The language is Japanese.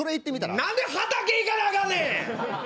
なんで畑行かなあかんね。